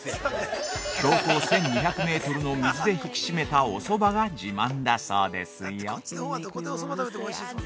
標高１２００メートルの水で引き締めたおそばが自慢だそうですよ。